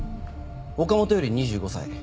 岡本由梨２５歳。